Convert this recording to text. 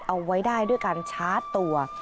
เอาไว้ได้ด้วยการชาร์จตัว